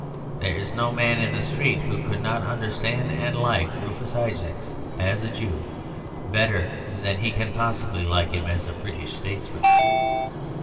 There is no man in the street who could not understand (and like) Rufus Isaacs as a Jew better than he can possibly like him as a British statesman.